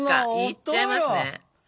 いっちゃいますね。